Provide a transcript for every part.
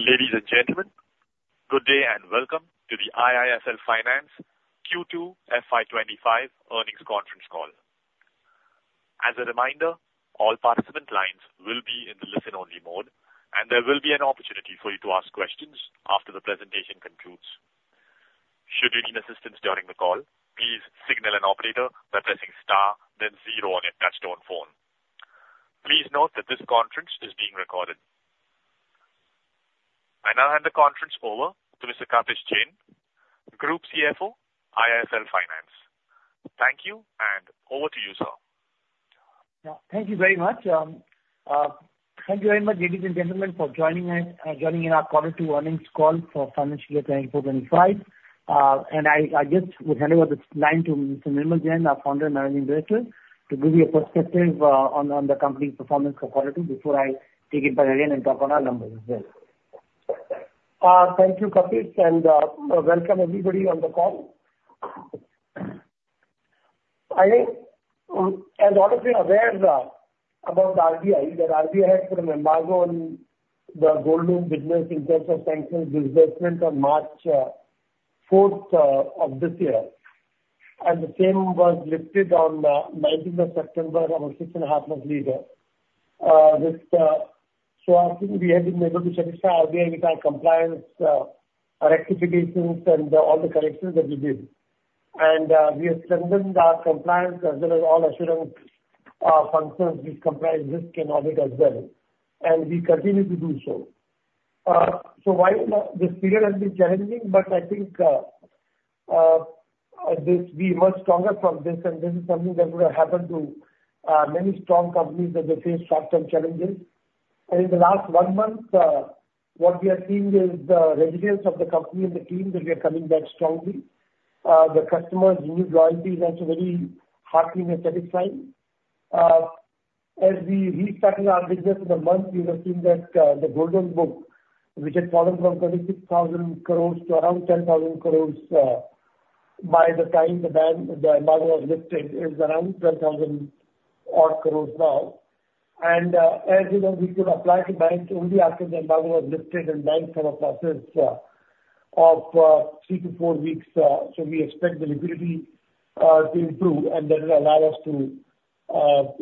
Ladies and gentlemen, good day, and welcome to the IIFL Finance Q2 FY 2025 earnings conference call. As a reminder, all participant lines will be in the listen-only mode, and there will be an opportunity for you to ask questions after the presentation concludes. Should you need assistance during the call, please signal an operator by pressing star then zero on your touchtone phone. Please note that this conference is being recorded. I now hand the conference over to Mr. Kapish Jain, Group CFO, IIFL Finance. Thank you, and over to you, sir. Yeah, thank you very much. Thank you very much, ladies and gentlemen, for joining us, joining in our quarter two earnings call for financial year twenty-four, twenty-five. I just would hand over the line to Mr. Nirmal Jain, our Founder and Managing Director, to give you a perspective on the company's performance for quarter two before I take it back again and talk on our numbers as well. Thank you, Kapish, and welcome everybody on the call. I think, as all of you are aware, about the RBI, that RBI had put an embargo on the gold loan business in terms of sanction disbursement on March fourth of this year, and the same was lifted on nineteenth of September, after six and a half months later. I think we have been able to satisfy RBI with our compliance, rectifications, and all the corrections that we did. We have strengthened our compliance as well as all assurance functions which comprise this economic as well, and we continue to do so. While this period has been challenging, I think we emerged stronger from this, and this is something that would have happened to many strong companies that they face short-term challenges. In the last one month, what we are seeing is the resilience of the company and the team, that we are coming back strongly. The customers' loyalty is also very heartening and satisfying. As we restarted our business in the month, we have seen that the gold loan book, which had fallen from 26,000 crores to around 10,000 crores by the time the ban, the embargo was lifted, is around 10,000-odd crores now. And, as you know, we could apply to banks only after the embargo was lifted and bank funding is a process of 3-4 weeks. So we expect the liquidity to improve, and that will allow us to,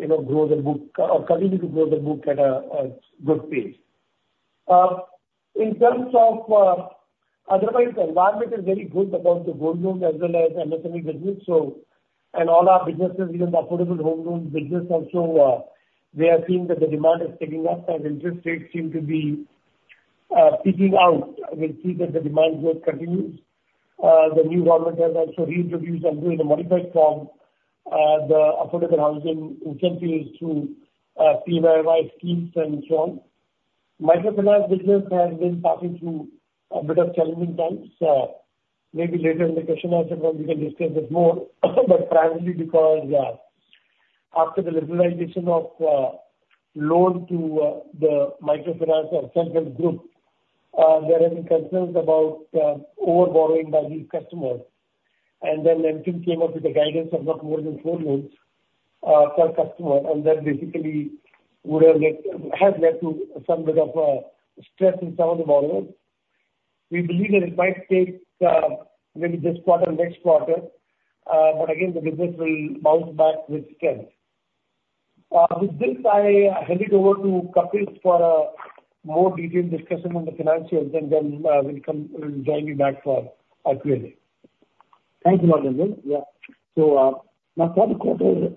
you know, grow the book or continue to grow the book at a good pace. In terms of otherwise, the environment is very good about the gold loans as well as SME business, so, and all our businesses in the affordable home loans business also, we are seeing that the demand is picking up, and interest rates seem to be peaking out. We'll see that the demand growth continues. The new government has also reintroduced although in a modified form, the affordable housing incentives through PMAY schemes and so on. Microfinance business has been passing through a bit of challenging times. Maybe later in the question answer round, we can discuss this more, but primarily because, after the liberalization of loan to the microfinance JLG, there have been concerns about overborrowing by these customers. And then MFIN came up with a guidance of not more than four loans per customer, and that basically would have led, has led to some bit of stress in some of the borrowers. We believe that it might take maybe this quarter, next quarter, but again, the business will bounce back with strength. With this, I hand it over to Kapish for a more detailed discussion on the financials, and then, he'll come join me back for a Q&A. Thank you, Nirmal. Yeah. So, now for the quarter,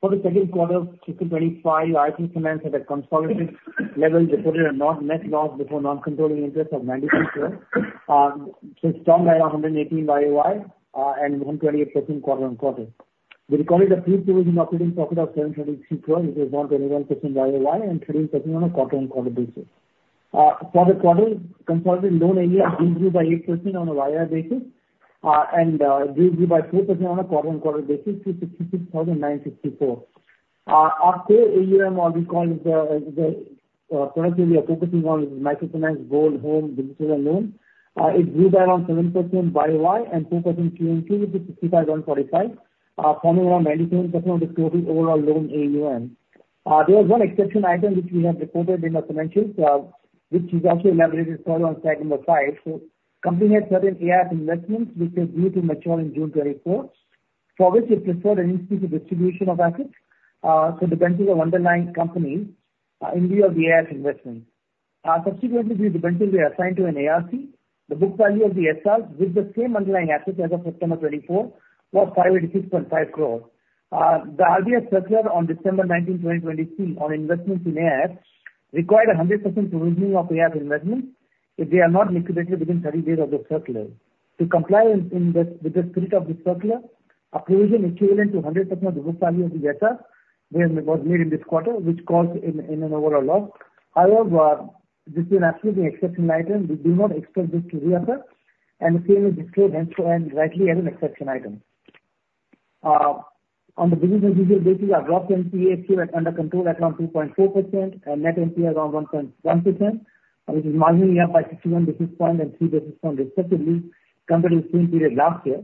for the second quarter of 2025, IIFL Finance at a consolidated level reported a net loss before non-controlling interest of 92 crores, which is down by 118% YoY, and 128% quarter on quarter. We recorded a pre-provision operating profit of 722 crores, which is 121% YoY and 13% on a quarter-on-quarter basis. For the quarter, consolidated loan AUM grew by 8% on a YoY basis, and grew by 4% on a quarter-on-quarter basis to 66,964. Our core AUM, what we call the products we are focusing on is microfinance, gold, home, digital loan. It grew by around 7% YoY and 2% QOQ, to 65,045, forming around 97% of the total overall loan AUM. There was one exception item which we have reported in our financials, which is also elaborated further on slide number five. The company had certain AIF investments which were due to mature in June 2024, for which it preferred an in-specie distribution of assets, so depending on underlying company, in view of the AIF investment. Subsequently, these investments will be assigned to an ARC. The book value of the SR, with the same underlying assets as of September 2024, was 586.5 crores. The RBI circular on December 19, 2022, on investments in AIF, required 100% provisioning of AIF investments if they are not liquidated within 30 days of the circular. To comply with the spirit of this circular, a provision equivalent to 100% of the book value of the SR was made in this quarter, which caused an overall loss. However, this being absolutely an exception item, we do not expect this to reoccur, and the same is disclosed, and so, and rightly, as an exception item. On the business as usual basis, our gross NPA ratio at under control at around 2.4%, and net NPA around 1.1%, which is marginally up by 61 basis points and 3 basis points respectively, compared to same period last year.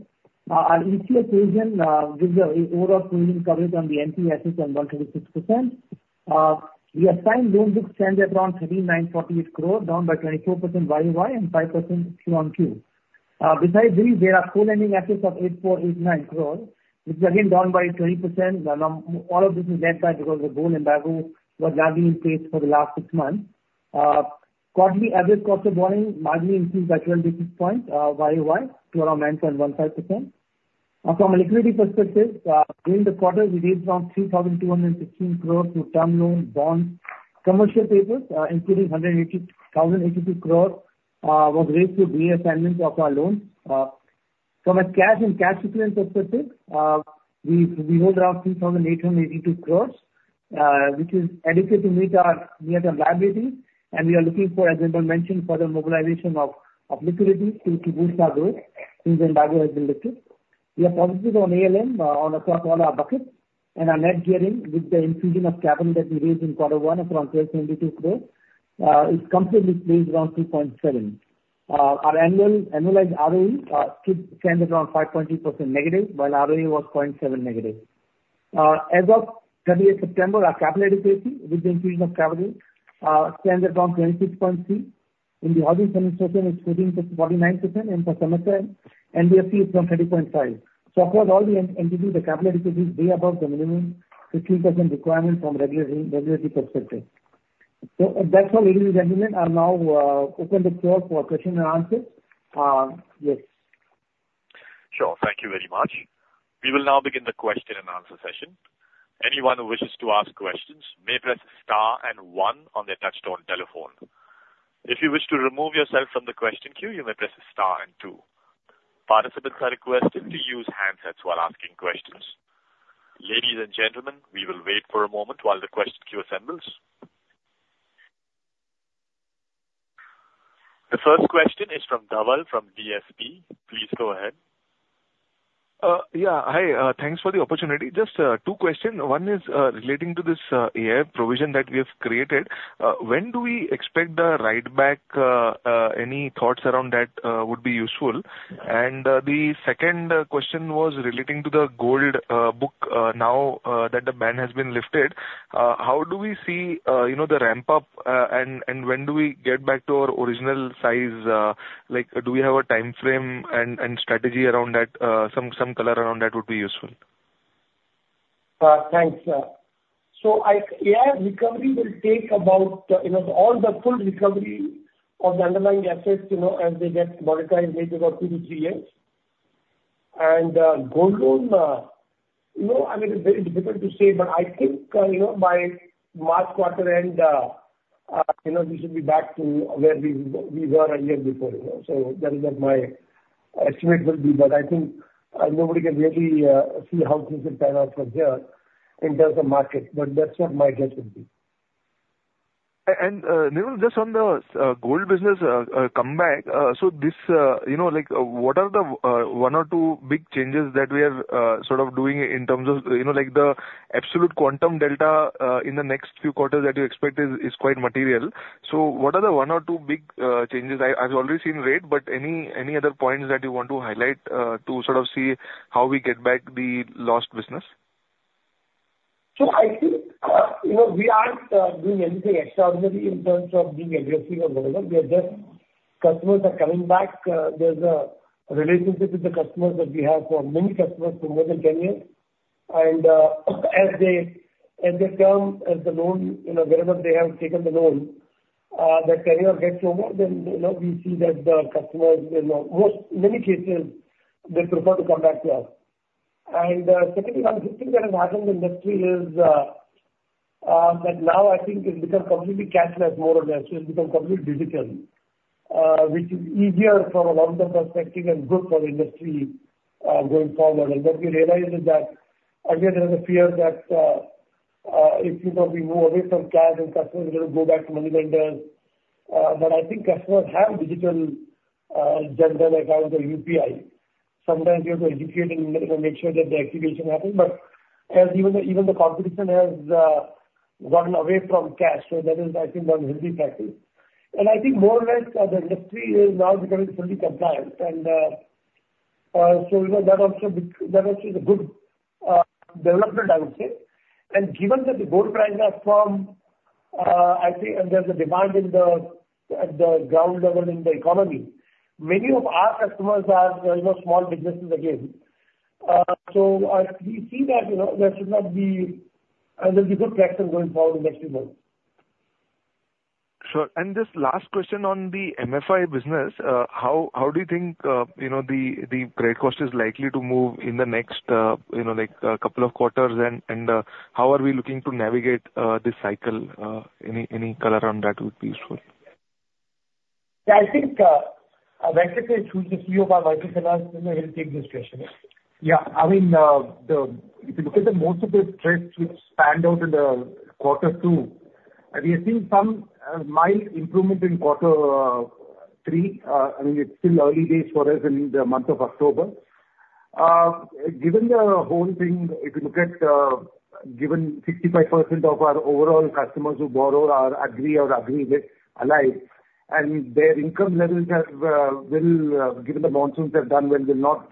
Our ECL provision gives an overall provisioning coverage on the NPA assets on 106%. Our assigned loan book stands at around 13,948 crore, down by 24% YoY, and 5% QoQ. Besides this, there are co-lending assets of 8,489 crore, which is again, down by 20%. Now, all of this is getting back because the gold embargo was not in place for the last six months. Quarterly average cost of borrowing marginally increased by 12 basis points YOY to around 9.15%. From a liquidity perspective, during the quarter, we raised around 3,216 crores through term loans, bonds, commercial papers, including 180 crore and 82 crores was raised through re-assignment of our loans. From a cash and cash equivalent perspective, we hold around 3,882 crores, which is adequate to meet our liabilities, and we are looking for, as mentioned, further mobilization of liquidity through to boost our growth since the embargo has been lifted. We are positive on ALM across all our buckets, and our net gearing with the infusion of capital that we raised in quarter one of around 1,272 crores is comfortably staying around 2.7. Our annualized ROE stands around 5.2% negative, while ROA was 0.7% negative. As of 30 September, our capital adequacy with the infusion of capital stands at around 26.3, and the housing finance is 14.49%, and for Samasta, the CAR is 30.5. So across all the entities, the capital adequacy is way above the minimum 15% requirement from regulatory perspective. That's all ladies and gentlemen. I'll now open the floor for question and answer. Yes. Sure. Thank you very much. We will now begin the question and answer session. Anyone who wishes to ask questions may press star and one on their touchtone telephone. If you wish to remove yourself from the question queue, you may press star and two. Participants are requested to use handsets while asking questions. Ladies and gentlemen, we will wait for a moment while the question queue assembles. The first question is from Dhaval, from DSP. Please go ahead. Yeah, hi. Thanks for the opportunity. Just two questions. One is relating to this AIF provision that we have created. When do we expect the writeback, any thoughts around that would be useful? And the second question was relating to the gold book. Now that the ban has been lifted, how do we see, you know, the ramp up, and when do we get back to our original size? Like, do we have a timeframe and strategy around that? Some color around that would be useful. Thanks. So I, yeah, recovery will take about, you know, all the full recovery of the underlying assets, you know, as they get monetized, may take about two to three years, and gold loan, you know, I mean, it's very difficult to say, but I think, you know, by March quarter end, you know, we should be back to where we were a year before, you know, so that is what my estimate will be. But I think, nobody can really see how things will pan out from here in terms of market, but that's what my guess would be. And, Nirmal, just on the gold business comeback, so this, you know, like, what are the one or two big changes that we are sort of doing in terms of, you know, like the absolute quantum delta in the next few quarters that you expect is quite material. So what are the one or two big changes? I've already seen rate, but any other points that you want to highlight to sort of see how we get back the lost business? So I think, you know, we aren't doing anything extraordinary in terms of being aggressive or whatever. We are just, customers are coming back. There's a relationship with the customers that we have for many customers for more than ten years. And, as they come, as the loan, you know, whenever they have taken the loan, the tenure gets over, then, you know, we see that the customers, you know, most many cases, they prefer to come back to us. And, secondly, one good thing that has happened in the industry is that now I think it's become completely cashless, more or less. It's become completely digital, which is easier from a long-term perspective and good for the industry, going forward. What we realized is that again, there is a fear that if we move away from cash and customers will go back to money lenders, but I think customers have digital general accounts or UPI. Sometimes you have to educate and make sure that the activation happens, but as even the competition has gotten away from cash, so that is, I think, one healthy practice. I think more or less, the industry is now becoming fully compliant, and so that also is a good development, I would say. Given that the gold prices are firm, I think there's a demand at the ground level in the economy. Many of our customers are, you know, small businesses again. So, we see that, you know, there should not be... there'll be good traction going forward in next few months. Sure. And just last question on the MFI business. How do you think, you know, the credit cost is likely to move in the next, you know, like, couple of quarters, and how are we looking to navigate this cycle? Any color on that would be useful. Yeah, I think, Venkatesh, who is the CEO of our Samasta, you know, he'll take this question. Yeah. I mean, the, if you look at the most of the trends which stand out in the quarter two, we have seen some, mild improvement in quarter, three. I mean, it's still early days for us in the month of October. Given the whole thing, if you look at, given 65% of our overall customers who borrow are agri or agri with livelihood-... and their income levels have, will, given the monsoons have done well, will not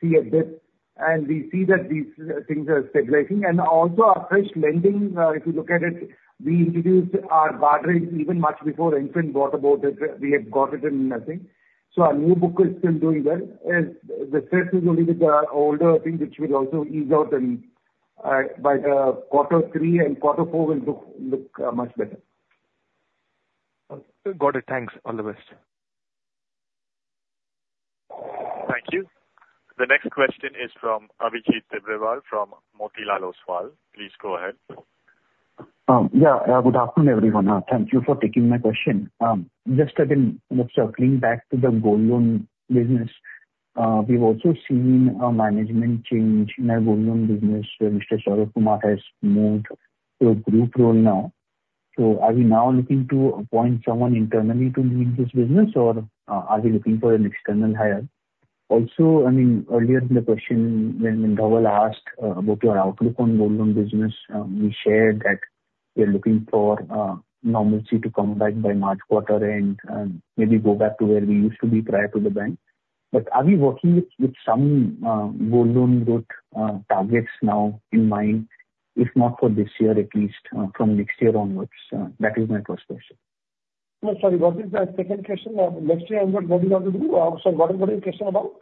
see a dip, and we see that these, things are stabilizing. And also our fresh lending, if you look at it, we introduced our guardrails even much before anything got about it. We had got it in nothing. So our new book is still doing well. As the stress is only with our older thing, which will also ease out and by the quarter three and quarter four will look much better. Got it. Thanks. All the best. Thank you. The next question is from Abhijit Tibrewal from Motilal Oswal. Please go ahead. Yeah, good afternoon, everyone. Thank you for taking my question. Just, again, circling back to the gold loan business, we've also seen a management change in our gold loan business. Mr. Sharad Kumar has moved to a group role now. So are we now looking to appoint someone internally to lead this business, or are we looking for an external hire? Also, I mean, earlier in the question, when Dhaval asked about your outlook on gold loan business, you shared that we are looking for normalcy to come back by March quarter and maybe go back to where we used to be prior to the ban. But are we working with some gold loan growth targets now in mind, if not for this year, at least from next year onwards? That is my first question. No, sorry, what is the second question? Next year, what do you want to do? Sorry, what is the question about?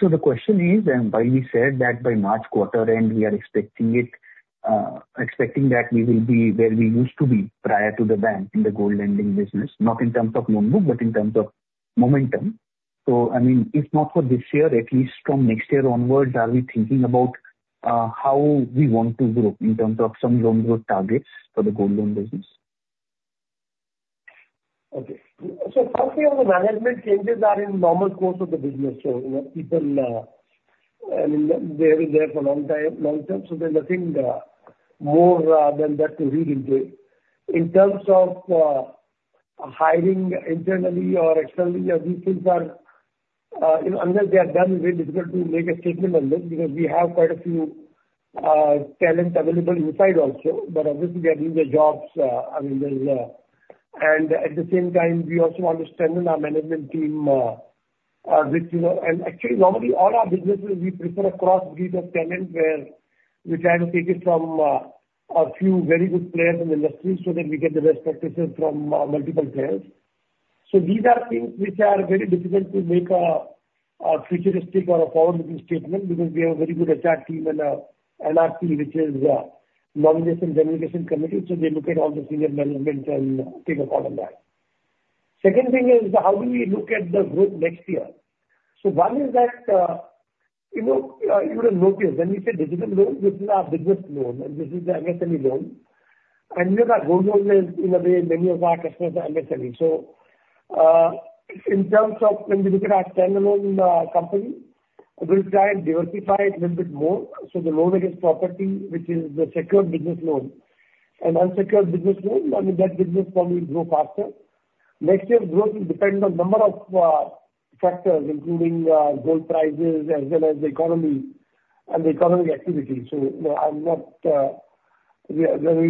So the question is, and while you said that by March quarter, and we are expecting it, expecting that we will be where we used to be prior to the ban in the gold lending business, not in terms of loan book, but in terms of momentum. So I mean, if not for this year, at least from next year onwards, are we thinking about, how we want to grow in terms of some loan growth targets for the gold loan business? Okay. So first thing, the management changes are in normal course of the business, so, you know, people, I mean, they're there for long time, long term, so there's nothing more than that to read into it. In terms of hiring internally or externally, these things are, you know, unless they are done, it's very difficult to make a statement on this, because we have quite a few talent available inside also. But obviously, they are doing their jobs, I mean, there's... And at the same time, we also want to strengthen our management team, which, you know, and actually, normally, all our businesses, we prefer a cross-breed of talent, where we try to take it from a few very good players in the industry, so that we get the best practices from multiple players. So these are things which are very difficult to make a futuristic or a forward-looking statement, because we have a very good HR team and NRC, which is Nomination and Remuneration Committee, so they look at all the senior management and take a call on that. Second thing is, how do we look at the growth next year? So one is that, you know, you would have noticed when we say digital loan, this is our business loan, and this is the MSME loan. And we have our gold loan in many of our customers are MSME. So, in terms of when we look at our standalone company, we'll try and diversify it little bit more, so the loan against property, which is the secured business loan. And unsecured business loan, I mean, that business probably will grow faster. Next year, growth will depend on a number of factors, including gold prices as well as the economy and the economic activity, so we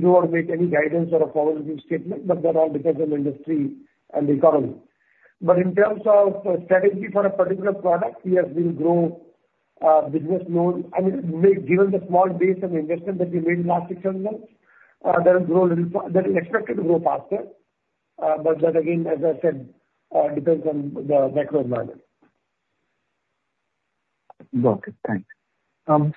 don't want to make any guidance or a forward-looking statement, but that all depends on industry and the economy, but in terms of strategy for a particular product, yes, we'll grow business loan. I mean, given the small base and investment that we made in last six, seven months, that will grow a little, that is expected to grow faster, but that again, as I said, depends on the macro environment. Got it. Thanks.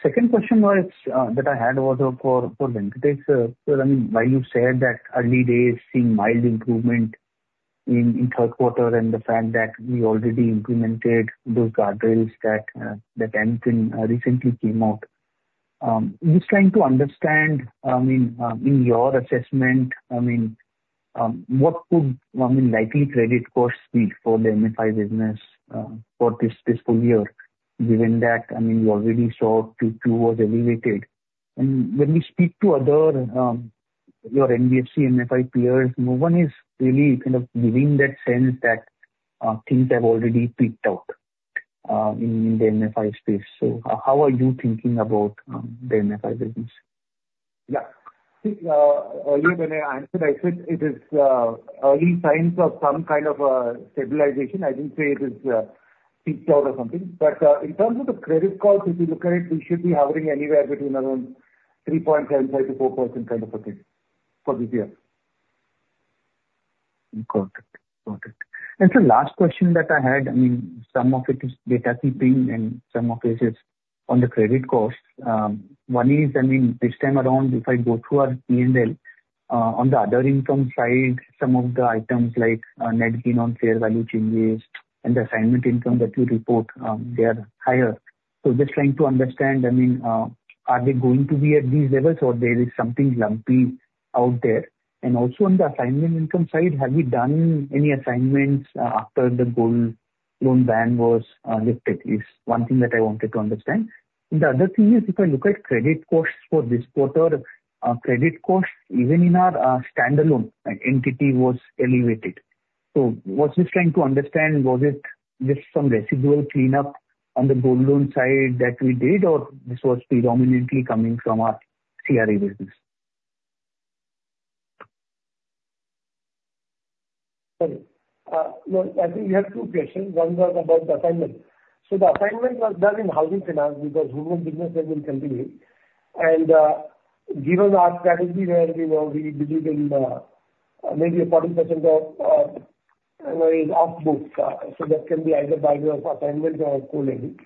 Second question was that I had was for Venkatesh. So I mean, while you said that early days seeing mild improvement in third quarter and the fact that we already implemented those guardrails that that MFIN recently came out, just trying to understand, I mean, in your assessment, I mean, what could likely credit costs be for the MFI business for this full year, given that I mean, you already saw Q2 was elevated. And when we speak to other, your NBFC, MFI peers, no one is really kind of giving that sense that things have already peaked out in the MFI space. So how are you thinking about the MFI business? Yeah. Earlier when I answered, I said it is early signs of some kind of stabilization. I didn't say it is peaked out or something. But, in terms of the credit cost, if you look at it, we should be hovering anywhere between around 3.5%-4% kind of a thing for this year. Got it. Got it. And so last question that I had, I mean, some of it is data keeping, and some of it is on the credit costs. One is, I mean, this time around, if I go through our P&L, on the other income side, some of the items like, net gain on fair value changes and the assignment income that you report, they are higher. So just trying to understand, I mean, are they going to be at these levels, or there is something lumpy out there? And also, on the assignment income side, have you done any assignments, after the gold loan ban was lifted, is one thing that I wanted to understand. The other thing is, if I look at credit costs for this quarter, credit costs, even in our standalone entity was elevated. I was just trying to understand, was it just some residual cleanup on the gold loan side that we did, or this was predominantly coming from our- CRE business. Sorry, now, I think you have two questions. One was about the assignment. So the assignment was done in housing finance, because rural business has been continuing. And, given our strategy where we were, we believe in, maybe 40% of, is off books, so that can be either by way of assignment or co-lending.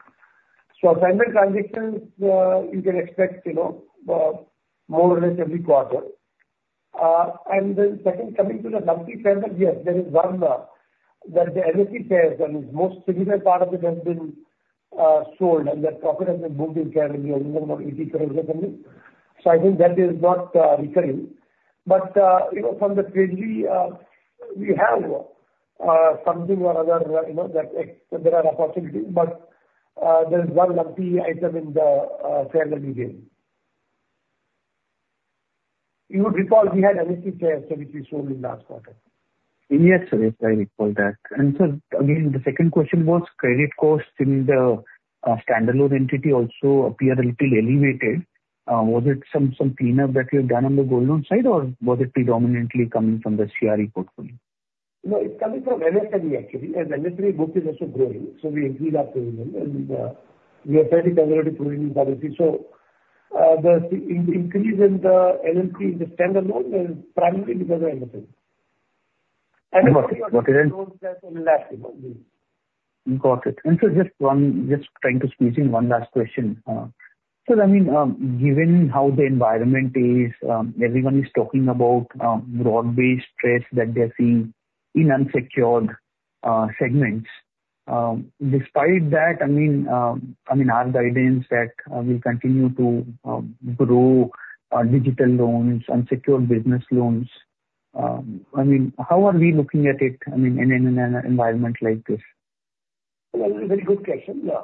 So assignment transitions, you can expect, you know, more or less every quarter. And then second, coming to the lumpy trend, yes, there is one, where the NSE shares and most significant part of it has been, sold, and that profit has been booked in January, a minimum of 80 crore roughly. So I think that is not, recurring. But, you know, from the treasury, we have something or other, you know, that there are possibilities, but there is one lumpy item in the calendar year. You would recall we had NSE shares, which we sold in last quarter. Yes, sir, I recall that. And so, again, the second question was credit costs in the standalone entity also appear a little elevated. Was it some cleanup that you've done on the gold loan side, or was it predominantly coming from the CRE portfolio? No, it's coming from NPA actually, and NPA book is also growing, so we increased our provision, and we are fairly conservative provisioning policy. So, the increase in the NPA in the standalone is primarily because of NPA. Got it. And so just one, just trying to squeeze in one last question. I mean, given how the environment is, everyone is talking about broad-based stress that they're seeing in unsecured segments. Despite that, I mean, our guidance that we'll continue to grow our digital loans, unsecured business loans. I mean, how are we looking at it, I mean, in an environment like this? Very good question. Yeah.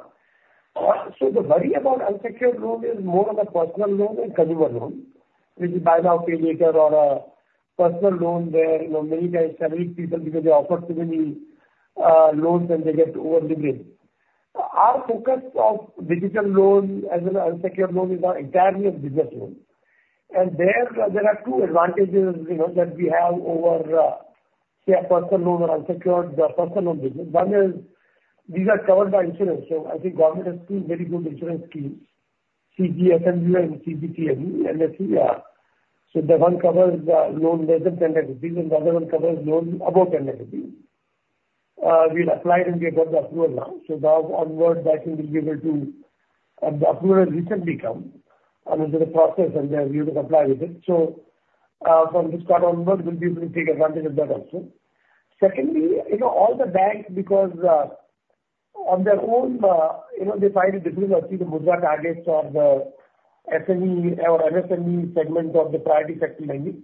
So the worry about unsecured loan is more on the personal loan and consumer loan, which is buy now, pay later, or personal loan, where, you know, many times harried people, because they offer too many loans and they get over the bill. Our focus of digital loan as an unsecured loan is entirely a business loan. And there are two advantages, you know, that we have over, say, a personal loan or unsecured personal loan business. One is, these are covered by insurance, so I think government has two very good insurance schemes, CGTMSE and CGFMU, so the one covers loan less than 10 lakh rupees, and the other one covers loan above 10 lakh rupees. We've applied, and we have got the approval now. So now onward, that will be able to, the approval has recently come, and there's a process, and then we will apply with it. So, from this quarter onwards, we'll be able to take advantage of that also. Secondly, you know, all the banks, because, on their own, you know, they find it difficult to achieve the Mudra targets or the SME or MSME segment of the priority sector lending.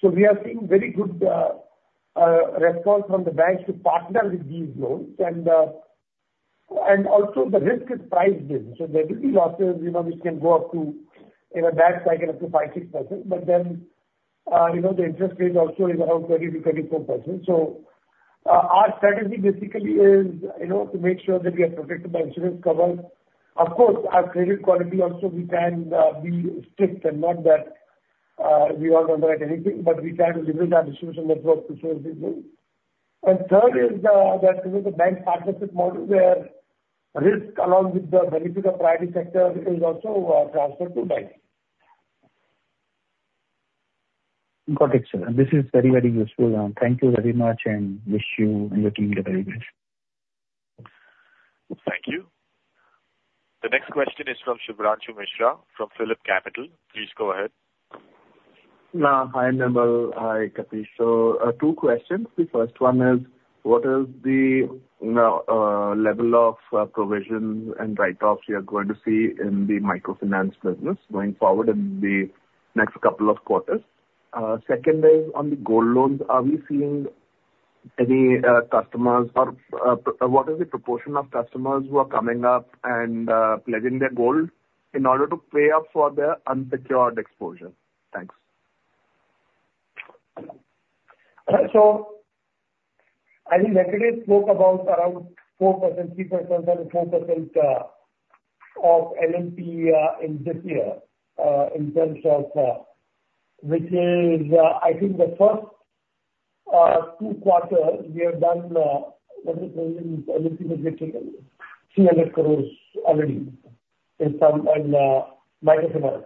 So we are seeing very good, response from the banks to partner with these loans and, and also the risk is priced in. So there will be losses, you know, which can go up to, in a bad cycle, up to 5%-6%. But then, you know, the interest rate also is around 30% -34%. So, our strategy basically is, you know, to make sure that we are protected by insurance cover. Of course, our credit quality also, we can be strict and not that we all underwrite anything, but we can deliver our distribution network to serve the loan. And third is the, you know, the bank partnership model, where risk, along with the benefit of priority sector, is also transferred to bank. Got it, sir. This is very, very useful. Thank you very much and wish you and your team the very best. Thank you. The next question is from Shubhranshu Mishra, from Phillip Capital. Please go ahead. Hi, Nirmal. Hi, Kapish. Two questions. The first one is, what is the level of provisions and write-offs you are going to see in the microfinance business going forward in the next couple of quarters? Second is on the gold loans. Are we seeing any customers or, what is the proportion of customers who are coming up and pledging their gold in order to pay up for their unsecured exposure? Thanks. So I think yesterday spoke about around 4%, 3% and 4% of NPA in this year, in terms of, which is, I think the first two quarters, we have done NPA, which is INR 300 crores already in Samasta, in microfinance,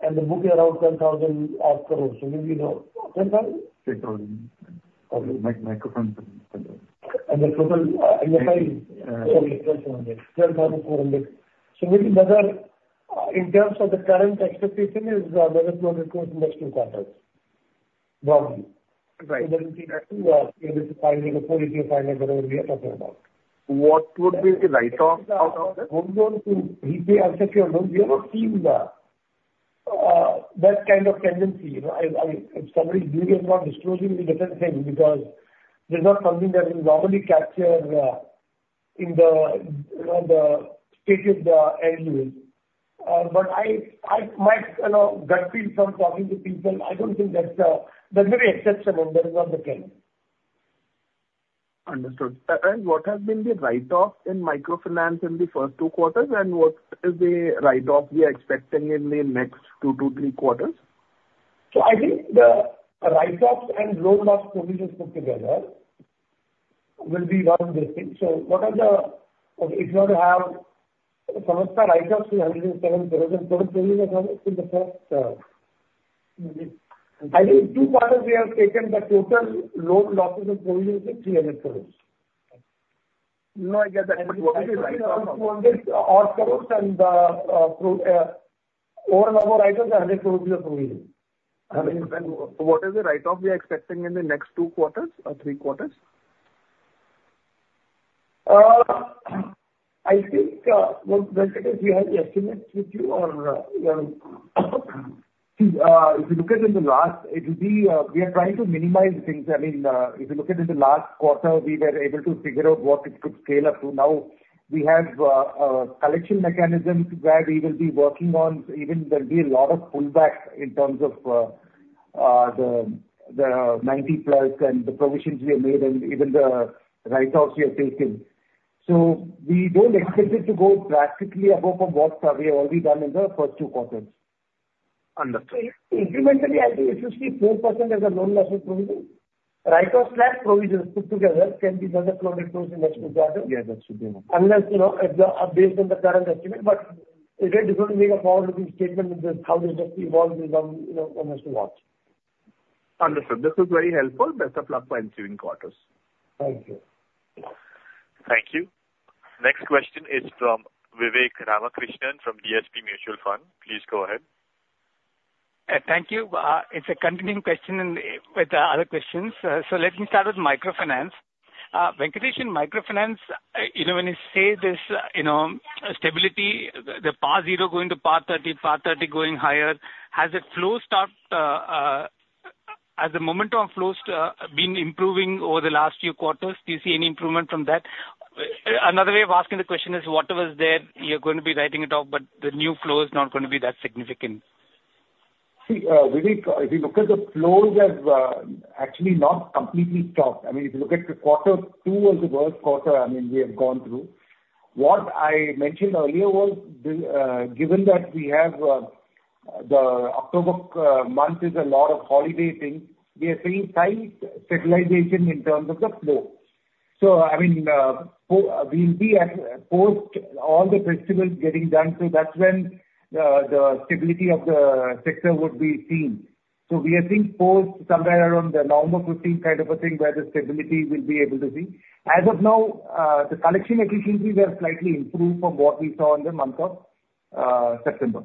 and the book around 10,000-odd crores. So maybe, you know, 10,000? Ten thousand. Microphone. And the total, twelve thousand, twelve thousand four hundred. So maybe, Madhav, in terms of the current expectation is, whether it will improve in the next two quarters, broadly. Right. So that is the maybe five or four billion, five, whatever we are talking about. What would be the write-off out of this? Gold loan to be unsecured loan. We have not seen that kind of tendency. You know, somebody doing and not disclosing is a different thing, because there's not something that we normally capture in the, you know, the stated end use. But I, my, you know, gut feel from talking to people, I don't think that's very exceptional, but it's not the trend. Understood. And what has been the write-off in microfinance in the first two quarters, and what is the write-off we are expecting in the next two to three quarters? I think the write-offs and loan loss provisions put together will be around this thing. What are if you want to have total write-offs, three hundred and seven thousand crores in the first, I think two quarters, we have taken the total loan losses and provisions of three hundred crores. No, I get that. Odd crores and, over and above write-offs, hundred crores your provision. What is the write-off we are expecting in the next two quarters or three quarters? I think, well, Venkatesh, do you have the estimates with you or, you know, if you look at in the last, it will be, we are trying to minimize things. I mean, if you look at in the last quarter, we were able to figure out what it could scale up to. Now, we have a collection mechanism where we will be working on, even there'll be a lot of pullbacks in terms of, the ninety plus and the provisions we have made and even the write-offs we have taken. So we don't expect it to go drastically above from what, we have already done in the first two quarters. Understood. Incrementally, I think it should be 4% as a non-loss provision. Write-offs/provisions put together can be another 100 crores in the next two quarters. Yeah, that should be enough. Unless, you know, if based on the current estimate, but again, we don't make a forward-looking statement with this, how this evolves with, you know, one has to watch. Understood. This is very helpful. Best of luck for ensuing quarters. Thank you. Thank you. Next question is from Vivek Ramakrishnan from DSP Mutual Fund. Please go ahead. Thank you. It's a continuing question and with the other questions. So let me start with microfinance. Venkatesh, microfinance, you know, when you say there's, you know, stability, the PAR 0 going to PAR 30, PAR 30 going higher, has it flowed off, has the momentum flows been improving over the last few quarters? Do you see any improvement from that? Another way of asking the question is, whatever is there, you're going to be writing it off, but the new flow is not going to be that significant. See, Vivek, if you look at the flows have actually not completely stopped. I mean, if you look at the quarter two was the worst quarter, I mean, we have gone through. What I mentioned earlier was the given that we have the October month is a lot of holiday thing, we are seeing slight stabilization in terms of the flow. So, I mean, we will be at post all the festivals getting done, so that's when the stability of the sector would be seen. So we are seeing post somewhere around the normal fifteen kind of a thing, where the stability we'll be able to see. As of now, the collection efficiencies have slightly improved from what we saw in the month of September.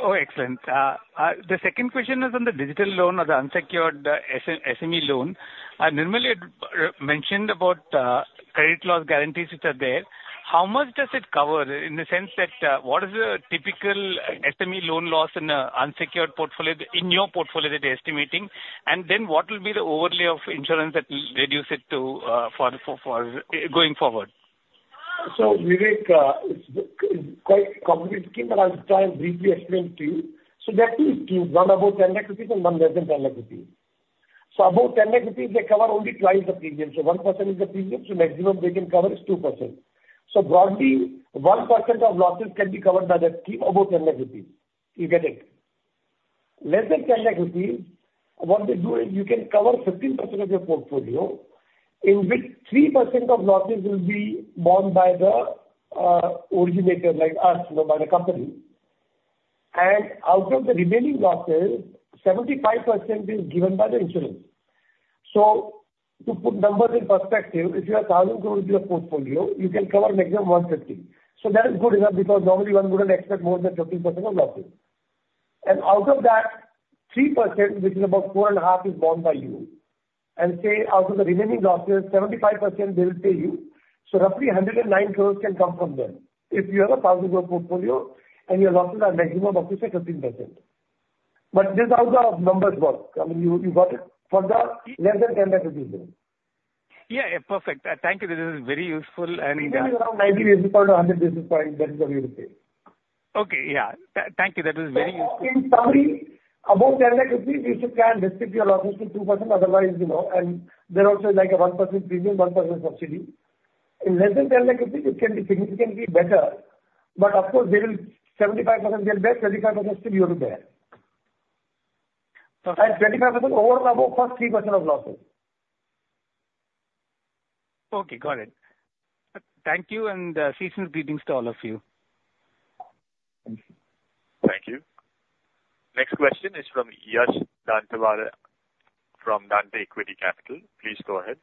Oh, excellent. The second question is on the digital loan or the unsecured SME loan. Nirmal had mentioned about credit loss guarantees which are there. How much does it cover, in the sense that what is the typical SME loan loss in a unsecured portfolio, in your portfolio that you're estimating? And then what will be the overlay of insurance that will reduce it to for going forward? So, Vivek, it's quite a complicated scheme, but I'll try and briefly explain it to you. So there are two schemes, one above ten lakh rupees and one less than ten lakh rupees. So above 10 lakh rupees, they cover only twice the premium, so 1% is the premium, so maximum they can cover is 2%. So broadly, 1% of losses can be covered by that scheme above 10 lakh rupees. You get it? Less than ten lakh rupees, what they do is you can cover 15% of your portfolio, in which 3% of losses will be borne by the originator like us, you know, by the company. And out of the remaining losses, 75% is given by the insurance. So to put numbers in perspective, if you have thousand crores rupee of portfolio, you can cover maximum one fifty. So that is good enough, because normally one wouldn't expect more than 13% of losses. And out of that 3%, which is about four and a half, is borne by you, and say out of the remaining losses, 75% they will pay you. So roughly 109 crores can come from them, if you have a 1,000 crore portfolio and your losses are maximum up to say, 15%. But this is how the numbers work. I mean, you got it? For the less than 10 lakh rupees loan. Yeah, yeah, perfect. Thank you. This is very useful, and-... Around ninety basis point or a hundred basis point, that is what we would pay. Okay, yeah. Thank you. That was very useful. So in summary, above 10 lakh rupees, you should can restrict your losses to 2%, otherwise, you know, and there are also like a 1% premium, 1% subsidy. In less than 10 lakh rupees, it can be significantly better, but of course, they will, 75% they'll bear, 25% still you have to bear. So that 25% over and above first 3% of losses. Okay, got it. Thank you, and seasonal greetings to all of you. Thank you. Thank you. Next question is from Yash Dantewadia from Dante Equity Capital.. Please go ahead.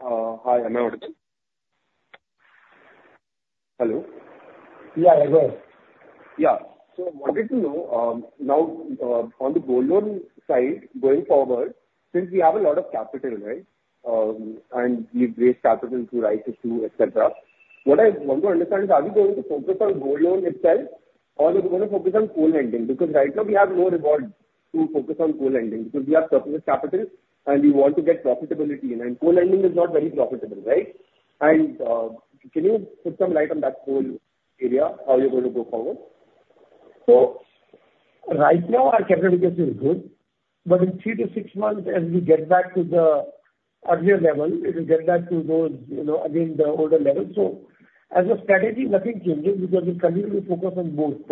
Hi, Am I audible? Hello? Yeah, I hear. Yeah. So I wanted to know, now, on the gold loan side, going forward, since we have a lot of capital, right, and we've raised capital to raise to two, et cetera. What I want to understand is, are we going to focus on gold loan itself or are we gonna focus on co-lending? Because right now we have no reason to focus on co-lending, because we have surplus capital, and we want to get profitability, and co-lending is not very profitable, right? And, can you shed some light on that whole area, how you're going to go forward? Right now, our capital is good, but in three to six months, as we get back to the earlier level, it will get back to those, you know, again, the older level. So as a strategy, nothing changes because we continue to focus on both,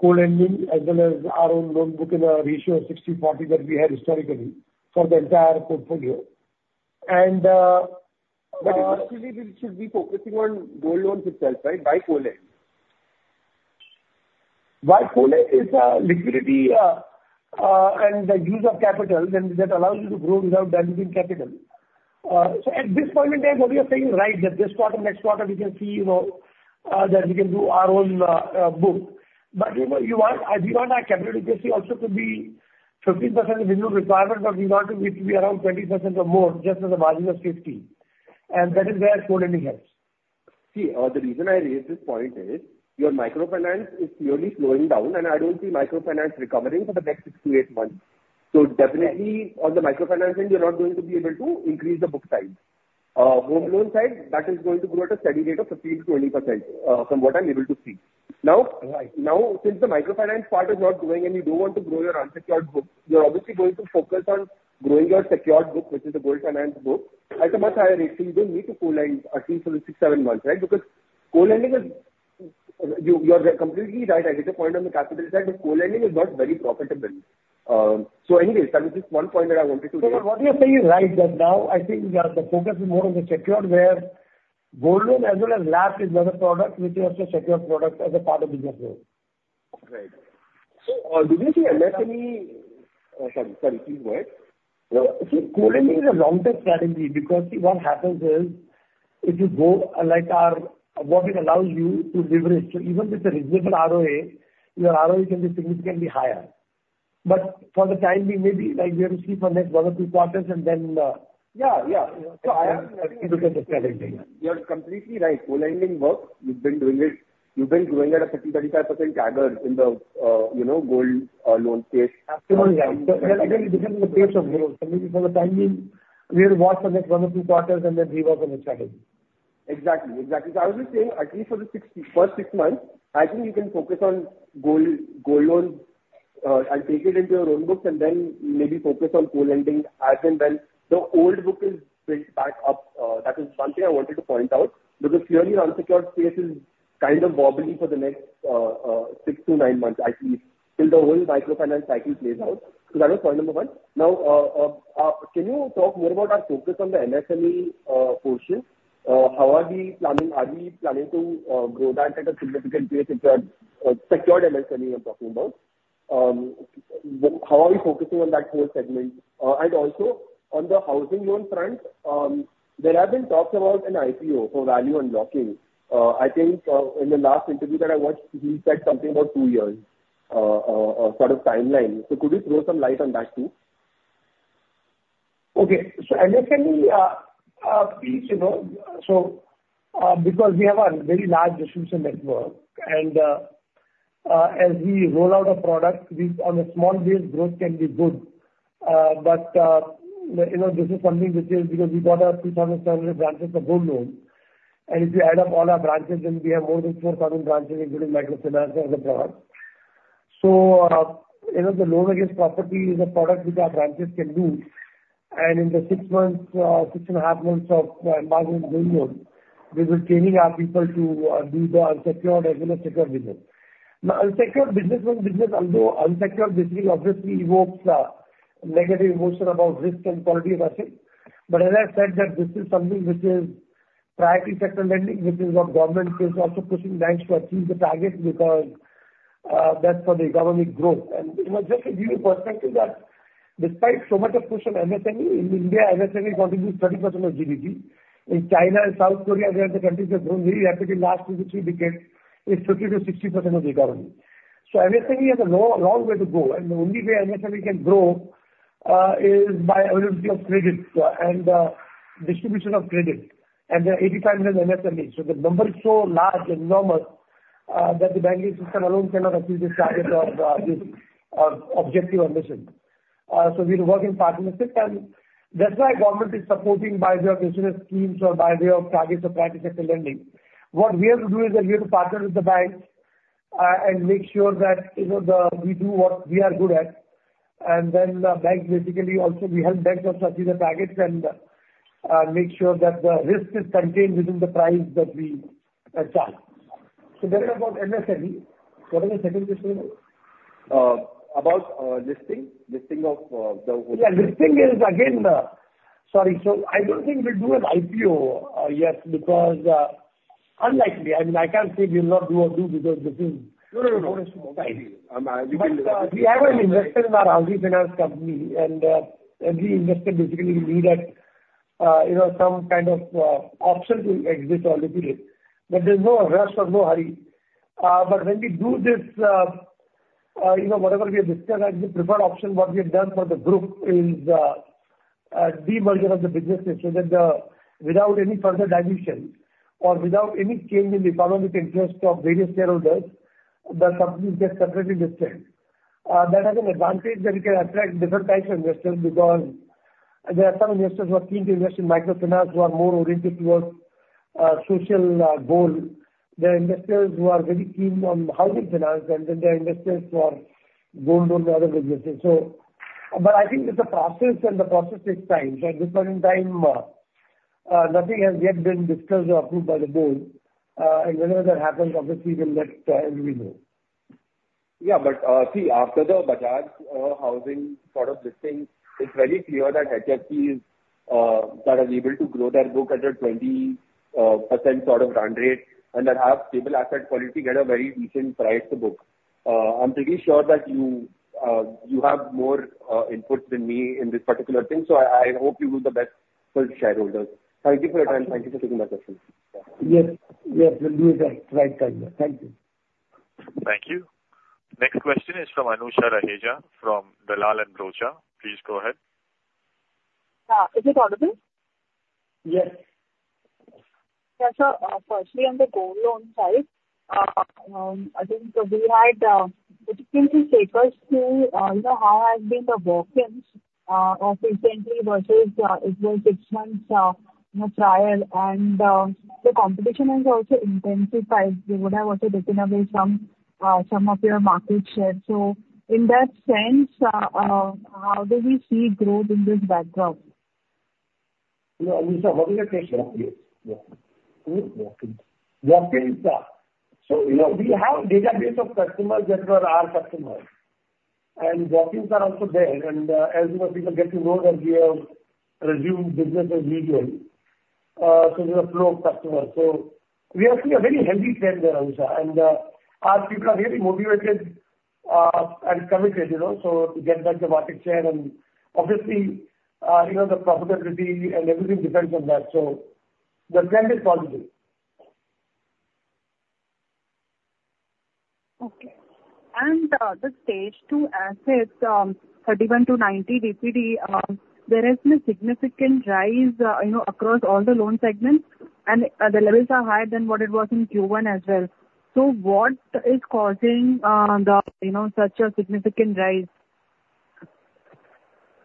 co-lending as well as our own loan book in a ratio of 60/40 that we had historically for the entire portfolio. And, But actually, we should be focusing on gold loans itself, right? Why co-lend? Why co-lending is, liquidity, and the use of capital, then that allows you to grow without damaging capital. So at this point in time, what you're saying is right, that this quarter, next quarter, we can see, you know, that we can do our own book. But, you know, you want, as you want our capital efficiency also to be 15% is minimum requirement, but we want it to be around 20% or more just as a margin of safety, and that is where co-lending helps. See, the reason I raised this point is your microfinance is clearly slowing down, and I don't see microfinance recovering for the next six to eight months. Right. Definitely on the microfinance end, you're not going to be able to increase the book size. Home loan side, that is going to grow at a steady rate of 15-20%, from what I'm able to see. Now- Right. Now, since the microfinance part is not growing and you don't want to grow your unsecured book, you're obviously going to focus on growing your secured book, which is the gold finance book, at a much higher rate. So you don't need to co-lend at least for six, seven months, right? Because co-lending is, you are completely right. I get your point on the capital side, but co-lending is not very profitable. So anyways, that was just one point that I wanted to make. So what you're saying is right, that now I think that the focus is more on the secured, where gold loan as well as LAP is another product which is also secured product as a part of business mix. Right. So, do you see MSME, sorry, key word? See, co-lending is a long-term strategy, because see, what happens is, if you go, like our... What it allows you to leverage, so even with a reasonable ROA, your ROE can be significantly higher. But for the time being, maybe like we have to see for next one or two quarters, and then... Yeah, yeah. So I have to look at the strategy. You're completely right. Co-lending works. You've been doing it, you've been growing at a 15%-25% CAGR in the, you know, gold loan space. Absolutely right. Again, this is the base of growth. I mean, for the time being, we have to watch for the next one or two quarters, and then rework on the strategy. Exactly, exactly. So I was just saying, at least for the first six months, I think you can focus on gold loans and take it into your own books, and then maybe focus on co-lending as and when the old book is built back up. That is something I wanted to point out, because clearly your unsecured space is kind of wobbly for the next six to nine months, at least, till the whole microfinance cycle plays out. So that was point number one. Now, can you talk more about our focus on the MSME portion? How are we planning? Are we planning to grow that at a significant pace, if the secured MSME I'm talking about? How are we focusing on that whole segment? And also on the housing loan front, there have been talks about an IPO for value unlocking. I think, in the last interview that I watched, you said something about two years, sort of timeline. So could you throw some light on that too? Okay. So MSME is, you know, so, because we have a very large distribution network, and, as we roll out a product, we on a small base, growth can be good. But, you know, this is something which is because we got our 2,000 standard branches for gold loans, and if you add up all our branches, then we have more than 4,000 branches, including microfinance as a product. So, you know, the loan against property is a product which our branches can do, and in the six months, six and a half months of marketing gold loan, we were training our people to, do the unsecured as well as secured business. Now, unsecured business means business, although unsecured basically obviously evokes a negative emotion about risk and quality of assets. But as I said, that this is something which is priority sector lending, which is what government is also pushing banks to achieve the target because, that's for the economic growth. And, you know, just to give you perspective that despite so much of push on MSME, in India, MSME contributes 30% of GDP. In China and South Korea, where the countries have grown very rapidly in last two to three decades, it's 50%-60% of the economy. So MSME has a long way to go, and the only way MSME can grow, is by availability of credit, and, distribution of credit. And there are 85 million MSMEs, so the number is so large and enormous, that the banking system alone cannot achieve this target or, this, objective or mission. So we're working partnership, and that's why government is supporting by way of business schemes or by way of targets of private sector lending. What we have to do is that we have to partner with the banks, and make sure that, you know, we do what we are good at, and then the banks basically also we help banks to achieve the targets and, make sure that the risk is contained within the price that we charge. So that is about MSME. What was the second question? About listing of the- Yeah, listing is again. Sorry, so I don't think we'll do an IPO, yes, because unlikely. I mean, I can't say we'll not do or do because this is- No, no, no. But we have an investor in our housing finance company, and every investor basically needs to, you know, some kind of option to exit or liquidate. But there's no rush or no hurry. But when we do this, you know, whatever we have discussed, the preferred option, what we have done for the group is demerger of the businesses, so that without any further dilution or without any change in the economic interest of various shareholders, the companies get separately listed. That has an advantage that we can attract different types of investors because... There are some investors who are keen to invest in microfinance, who are more oriented towards social goal. There are investors who are very keen on housing finance, and then there are investors who are going on the other businesses. So, but I think it's a process, and the process takes time. So at this point in time, nothing has yet been discussed or approved by the board, and whenever that happens, obviously we'll let everybody know. Yeah, but see, after the Bajaj Housing sort of listing, it's very clear that HFC is that are able to grow their book at a 20% sort of run rate and that have stable asset quality, get a very decent price to book. I'm pretty sure that you have more input than me in this particular thing, so I hope you do the best for the shareholders. Thank you for your time. Thank you for taking my question. Yes, yes, we'll do the right thing. Thank you. Thank you. Next question is from Anusha Raheja, from Dalal & Broacha. Please go ahead. Is it audible? Yes. Yeah, so, firstly, on the gold loan side, I think we had, particularly take us through, you know, how has been the walk-ins, of recently versus, it was six months, you know, trial and, the competition has also intensified. They would have also taken away some of your market share. So in that sense, how do we see growth in this background? Yeah, Anusha, what is the question? Yes. Walk-ins. Walk-ins. So, you know, we have a database of customers that were our customers, and walk-ins are also there. And, as more people get to know that we have resumed business as usual, so there's a flow of customers. So we are seeing a very healthy trend there, Anusha, and, our people are really motivated, and committed, you know, so to get back the market share and obviously, you know, the profitability and everything depends on that. So the trend is positive. Okay. And, the Stage 2 assets, 31-90 DPD, there has been a significant rise, you know, across all the loan segments, and, the levels are higher than what it was in Q1 as well. So what is causing, you know, such a significant rise?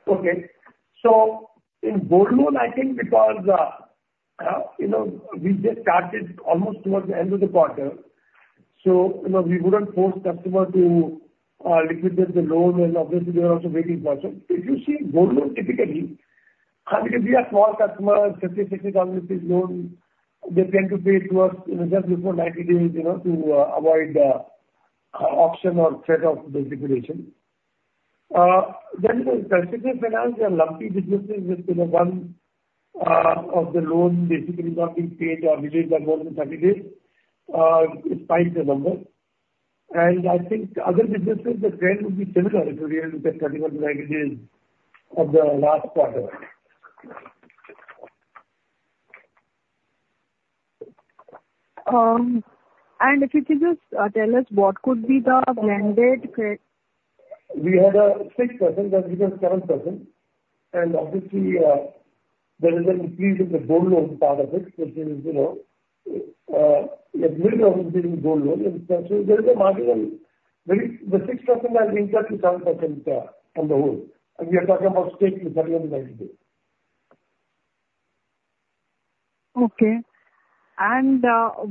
Okay. So in gold loan, I think because you know, we just started almost towards the end of the quarter, so you know, we wouldn't force customer to liquidate the loan and obviously they were also waiting for us. So if you see gold loan, typically because we are small customers, 50-60 thousand loan, they tend to pay towards you know, just before 90 days you know, to avoid option or threat of default liquidation. Then in the personal finance, they are lumpy businesses with you know, one of the loan basically not being paid or delayed by more than 30 days despite the number, and I think other businesses, the trend will be similar to the end of the 31 to 90 days of the last quarter. If you could just tell us what could be the blended credit? We had six percent, that became seven percent. And obviously there is an increase in the gold loan part of it, which is, you know, a big gold loan. And so there is a marginal, very, the six percent has increased to seven percent on the whole, and we are talking about stage with 30 and 90 days. Okay. And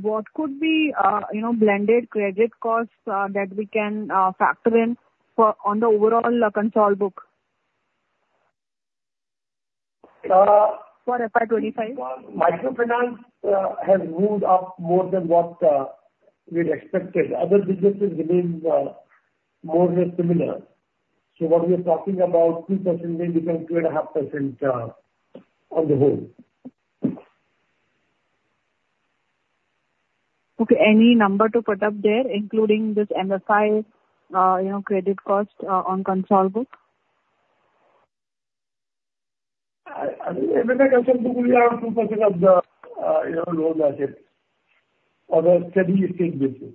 what could be, you know, blended credit costs that we can factor in for on the overall consolidated book? Uh- For FY 2025. Microfinance has moved up more than what we had expected. Other businesses remains more or less similar. So what we are talking about, 2% may become 2.5% on the whole. Okay. Any number to put up there, including this MFI, you know, credit cost, on consolidated book? Even I can say to you around 2% of the, you know, loan assets or a steady state business.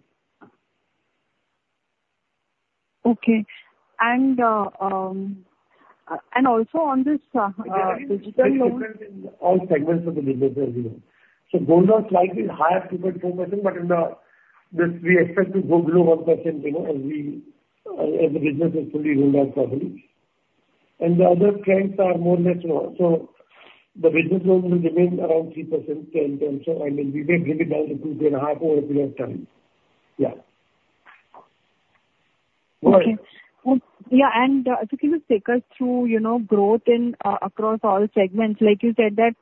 Okay. And also on this digital loan- All segments of the business as you know. So gold are slightly higher, 2.4%, but in this we expect to go below 1%, you know, as we, as the business is fully rolled out properly. And the other trends are more or less low. So the business loans will remain around 3% in terms of... I mean, we may bring it down to 2.5 over a period of time. Yeah. Okay. Go ahead. Yeah, and so can you take us through, you know, growth in across all segments? Like you said that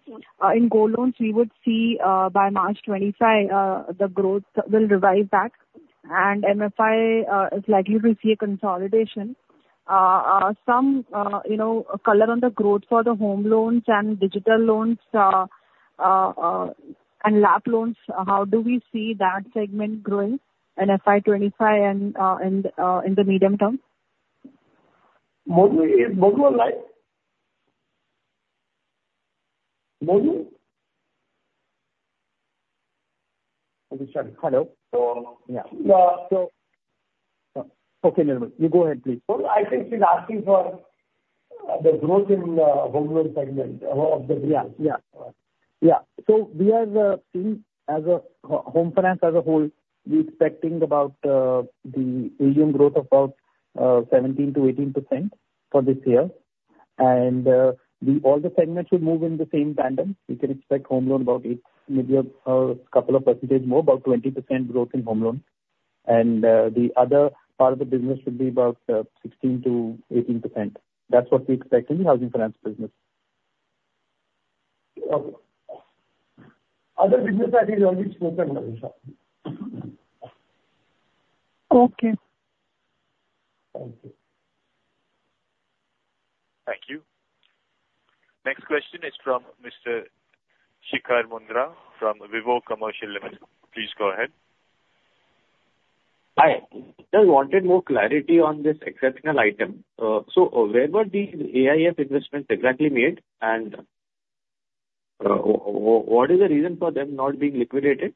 in gold loans, we would see by March 2025 the growth will revise back and MFI is likely to see a consolidation. Some you know color on the growth for the home loans and digital loans and LAP loans, how do we see that segment growing in FY 2025 and in the medium term? Monu, is Monu alive? Monu? Hello. So, yeah. Uh- Okay, never mind. You go ahead, please. I think she's asking for the growth in home loan segment of the business. Yeah, yeah. Yeah. So we are seeing as a home finance as a whole, we're expecting about the volume growth about 17%-18% for this year. And all the segments should move in the same tandem. We can expect home loan about 8%, maybe a couple of percentage more, about 20% growth in home loan. And the other part of the business should be about 16%-18%. That's what we expect in the housing finance business. Other business that is already spoken. Okay. Thank you. Thank you. Next question is from Mr. Shikhar Mundra from Vivog Commercial Limited. Please go ahead. Hi. Just wanted more clarity on this exceptional item. So where were these AIF investments exactly made? And, what is the reason for them not being liquidated?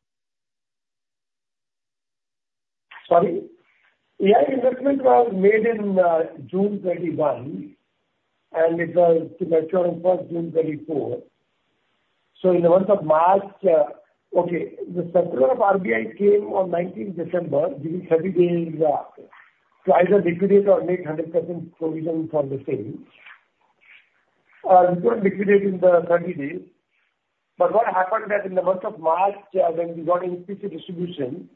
AIF investment was made in June 2021, and it was to mature on first June 2024. So in the month of March. The circular of RBI came on nineteenth December, giving 30 days to either liquidate or make 100% provision for the same. We couldn't liquidate in the 30 days. But what happened that in the month of March, when we got into distribution,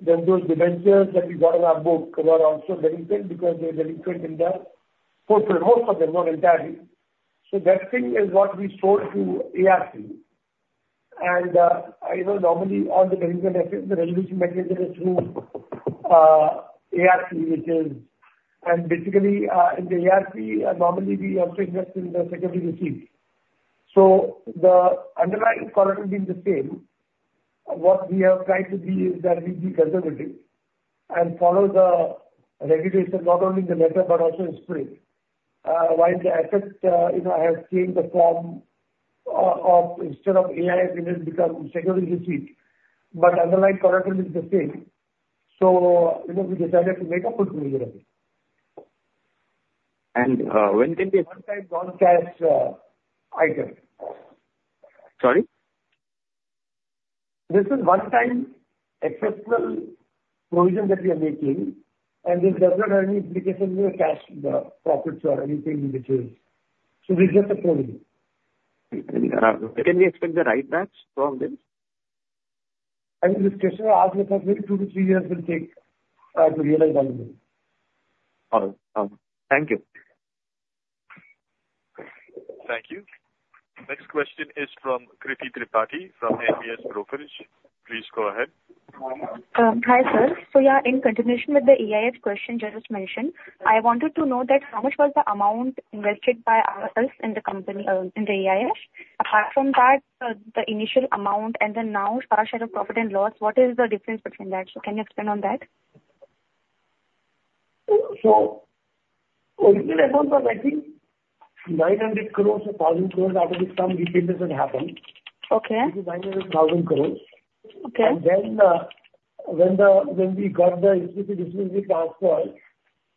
then those debentures that we got on our book were also delinquent because they're delinquent in the post promote, but they're not entirely. So that thing is what we sold to ARC. And you know, normally all the delinquent assets, the regulation is through ARC, which is. And basically, in the ARC, normally we also invest in the security receipt. So the underlying current being the same, what we have tried to be is that we be conservative and follow the regulation, not only in the letter, but also in spirit. While the asset, you know, has changed the form of instead of AIF, it has become security receipt, but underlying current remains the same. So, you know, we decided to make a full provision. When can we- One-time non-cash item. Sorry? This is one time exceptional provision that we are making, and this does not have any implication to your cash, profits or anything in between. So we get the provision. Can we expect the write backs from this? I think this question asked about maybe two to three years will take to realize value. All right. Thank you. Thank you. Next question is from Kriti Tripathi from NVS Brokerage. Please go ahead. Hi, sir. So yeah, in continuation with the AIF question just mentioned, I wanted to know that how much was the amount invested by ourselves in the company, in the AIF? Apart from that, the initial amount and then now our share of profit and loss, what is the difference between that? So can you expand on that? So original amount was, I think, 900 crore or 1,000 crore, after which some repayment had happened. Okay. 900,000 crores. Okay. When we got the investment, this will be transferred.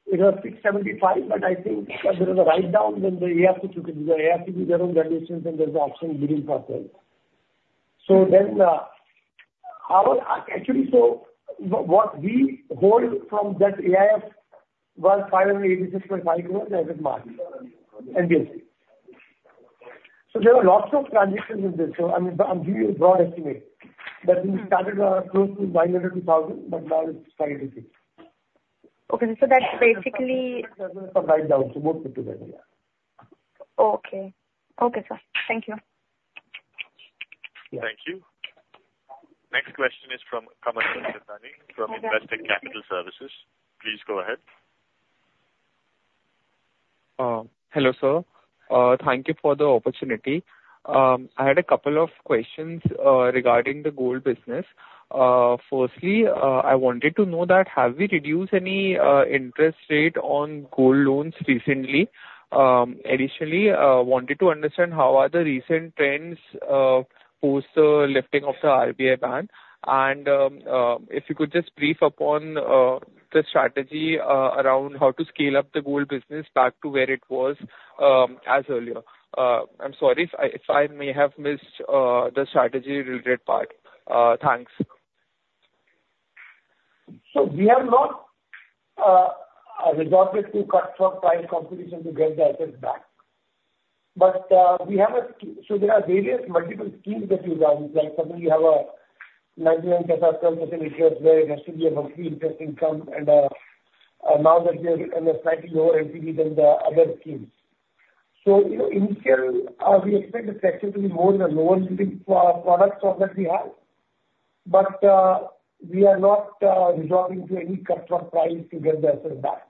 It was 675, but I think there was a write-down when the AIF took it. The AIF did their own valuations, and there's an option giving us well. So then, actually so what we hold from that AIF was 586.5 crores as of March, NBFC. So there were lots of transitions in this, so I'm giving you a broad estimate. Mm. That we started close to nine hundred, to a thousand, but now it's five eighty-six. Okay, so that's basically- There was some write-down, so both put together, yeah. Okay. Okay, sir. Thank you. Thank you. Next question is from Kamlesh Mittani from Investing Capital Services. Please go ahead. Hello, sir. Thank you for the opportunity. I had a couple of questions regarding the gold business. Firstly, I wanted to know that have we reduced any interest rate on gold loans recently? Additionally, wanted to understand how are the recent trends post the lifting of the RBI ban? And if you could just brief upon the strategy around how to scale up the gold business back to where it was as earlier. I'm sorry if I may have missed the strategy-related part. Thanks. So we have not resorted to cut-throat price competition to get the assets back. But we have a So there are various multiple schemes that we run. Like, suddenly you have a 9% or 10% interest, where it has to be a monthly interest income, and now that we are in a slightly lower NPV than the other schemes. So, you know, initial, we expect the sector to be more and more leading for products or that we have. But we are not resorting to any cut-throat price to get the assets back.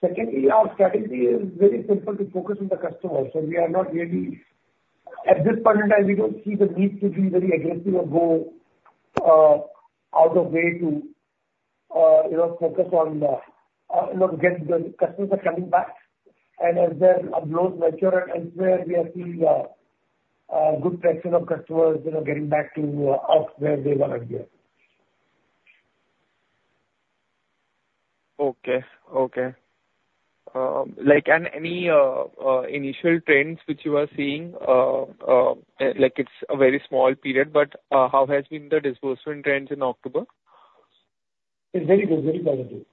Secondly, our strategy is very simple to focus on the customer. So we are not really... At this point in time, we don't see the need to be very aggressive or go out of way to, you know, focus on, you know, get the customers are coming back. And as their uploads mature and elsewhere, we are seeing a good fraction of customers, you know, getting back to us where they were earlier. Okay, okay. Like, any initial trends which you are seeing, like it's a very small period, but how has been the disbursement trends in October? It's very good, very positive.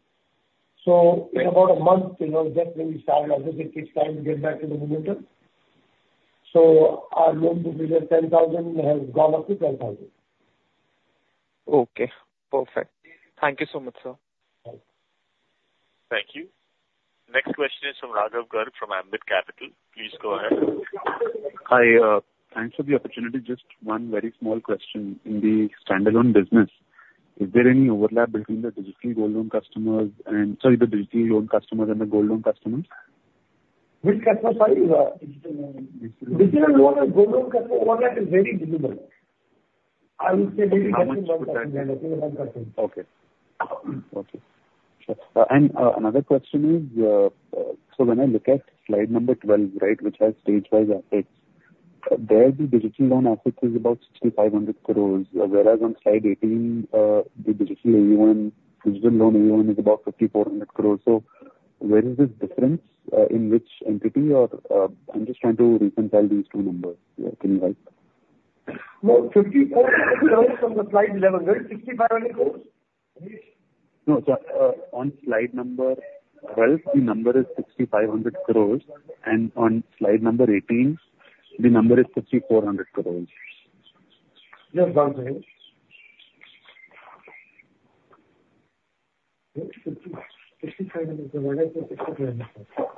So in about a month, you know, just when we started, obviously it takes time to get back to the momentum. So our loan book there 10,000 has gone up to 12,000. Okay, perfect. Thank you so much, sir. Thank you. Next question is from Raghav Garg from Ambit Capital. Please go ahead. Hi, thanks for the opportunity. Just one very small question. In the standalone business, is there any overlap between the digital gold loan customers and, sorry, the digital loan customers and the gold loan customers? Which customers, sorry? Digital loan. Digital loan. Digital loan and gold loan customer overlap is very minimal. I would say maybe 10%, less than 10%. Okay. Okay. And another question is, so when I look at slide number 12, right, which has stage-wise updates, there the digital loan assets is about 6,500 crores, whereas on slide 18, the digital AUM, digital loan AUM is about 5,400 crores. So where is this difference, in which entity or, I'm just trying to reconcile these two numbers. Yeah, can you help? No, fifty-four hundred crores from the slide 11, where is sixty-five hundred crores? Anish. No, sir, on slide number 12, the number is 6,500 crores, and on slide number 18, the number is 5,400 crores. Just one minute. INR 6,500 crores, where is the INR 5,400 crores.?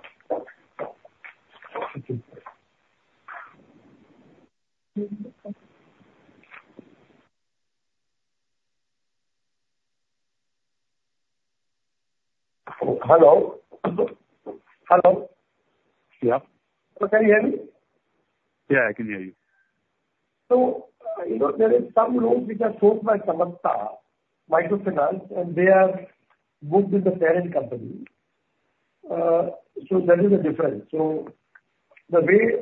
Hello? Hello. Yeah. Can you hear me? Yeah, I can hear you. So, you know, there are some loans which are sourced by Samasta Microfinance, and they are booked with the parent company. So that is the difference. So the way,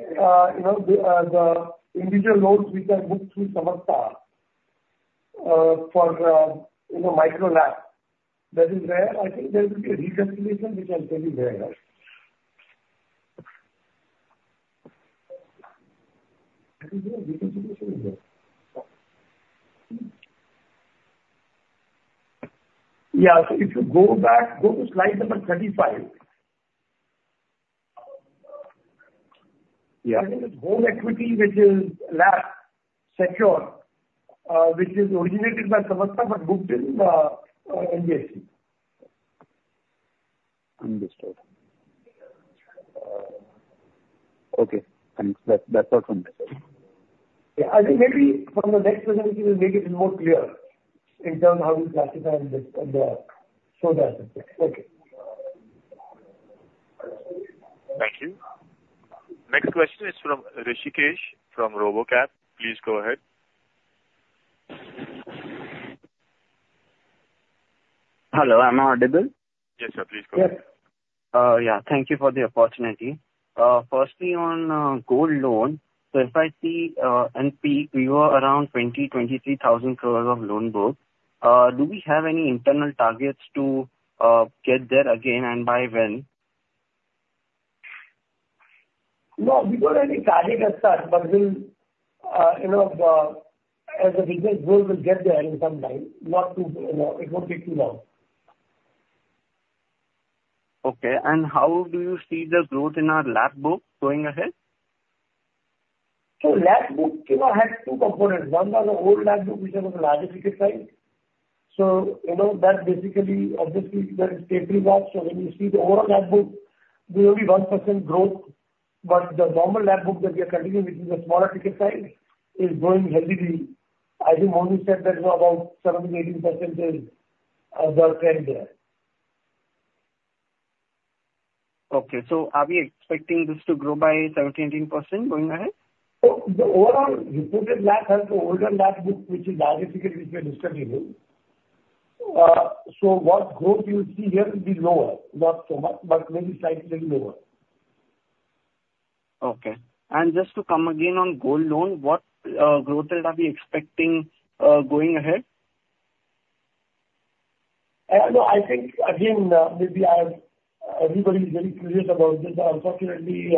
you know, the individual loans which are booked through Samasta, for, you know, micro loan, that is where I think there will be a recalculation which I'll tell you there. I think there are recalculation in there. Yeah, so if you go back, go to slide number 35. Yeah. Gold equity, which is last secured, which is originated by Samasta, but booked in NBFC. Understood. Okay, thanks. That, that's all from my side. Yeah, I think maybe from the next presentation, we'll make it more clear in terms of how we classify this. Okay. Thank you. Next question is from Hrishikesh from RoboCapital. Please go ahead. Hello, am I audible? Yes, sir, please go ahead. Yes. Yeah, thank you for the opportunity. Firstly, on gold loan, so if I see, at peak, we were around 20-23 thousand crore loan book. Do we have any internal targets to get there again, and by when? No, we don't have any target as such, but we'll, you know, as a business grow, we'll get there in some time, not too, you know, it won't be too long. Okay, and how do you see the growth in our LAP book going ahead? So LAP book, you know, has two components. One are the old LAP book, which are on the larger ticket side. So, you know, that basically... obviously, that is stale book. So when you see the overall LAP book, we have a 1% growth, but the normal LAP book that we are continuing with, is a smaller ticket size, is growing heavily. I think Monu said that about 17%-18% is the trend there. Okay, so are we expecting this to grow by 17%-18% going ahead? So the overall reported LAP has the older LAP book, which is larger ticket, which we are restructuring, so what growth you see here will be lower, not so much, but maybe slightly lower. Okay. And just to come again on gold loan, what growth rate are we expecting going ahead? No, I think again, maybe I, everybody is very curious about this, but unfortunately,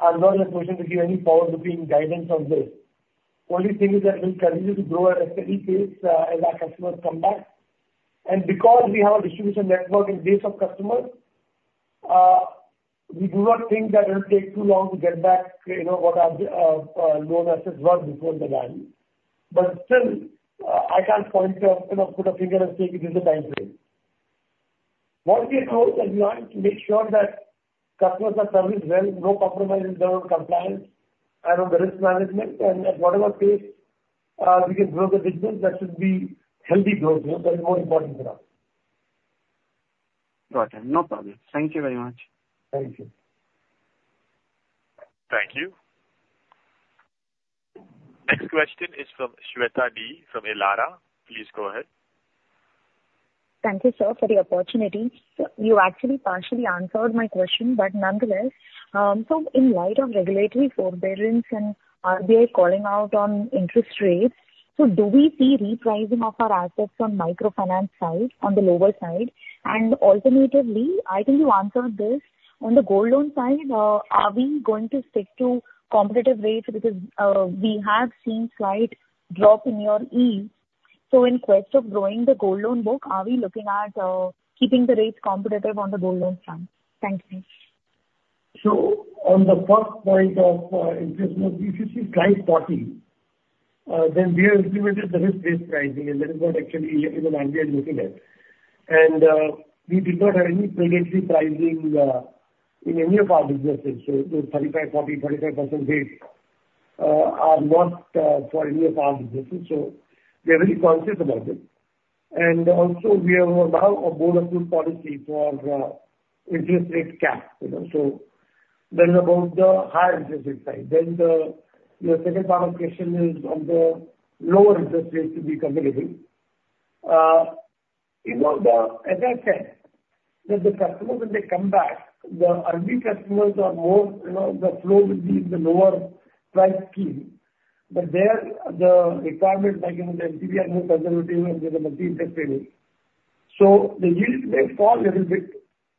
I'm not in a position to give any forward-looking guidance on this. Only thing is that we'll continue to grow at a steady pace, as our customers come back. And because we have a distribution network and base of customers, we do not think that it'll take too long to get back, you know, what our loan assets were before the ban. But still, I can't point or, you know, put a figure and say this is the time frame. What we have proved, and we want to make sure that customers are serviced well, no compromise in terms of compliance and on the risk management, and at whatever pace, we can grow the business, that should be healthy growth. That is more important for us. Got it. No problem. Thank you very much. Thank you. Thank you. Next question is from Shweta D., from Elara. Please go ahead. Thank you, sir, for the opportunity. So you actually partially answered my question, but nonetheless, so in light of regulatory forbearance and RBI calling out on interest rates, so do we see repricing of our assets on microfinance side, on the lower side? And alternatively, I think you answered this, on the gold loan side, are we going to stick to competitive rates because, we have seen slight drop in youryield? So in quest of growing the gold loan book, are we looking at, keeping the rates competitive on the gold loan front? Thank you. So on the first point of interest, we should see slight parting. Then we have implemented the risk-based pricing, and that is what actually, you know, the RBI is looking at. And we did not have any predatory pricing in any of our businesses. So the 35, 40, 45% rates are not for any of our businesses, so we are very conscious about it. And also, we have now a board approved policy for interest rate cap, you know, so that is about the high interest rate side. Then your second part of question is on the lower interest rates to be competitive. You know, as I said, that the customers when they come back, the early customers are more, you know, the flow will be in the lower price scheme. But there, the requirement, like, you know, the NBFC are more conservative and there's a much impact payment. So the yields may fall little bit,